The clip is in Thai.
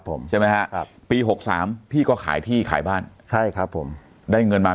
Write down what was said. ผมใช่ไหมฮะครับปีหกสามพี่ก็ขายที่ขายบ้านใช่ครับผมได้เงินมา